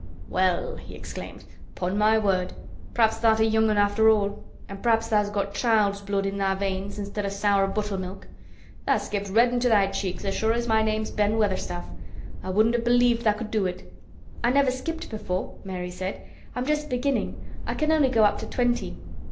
"Well!" he exclaimed. "Upon my word. P'raps tha' art a young 'un, after all, an' p'raps tha's got child's blood in thy veins instead of sour buttermilk. Tha's skipped red into thy cheeks as sure as my name's Ben Weatherstaff. I wouldn't have believed tha' could do it." "I never skipped before," Mary said. "I'm just beginning. I can only go up to twenty."